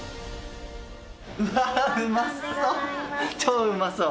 うわー、うまそう。